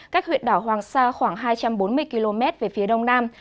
cách huyện đảo hoàng sa khoảng hai trăm bốn mươi km về phía đông nam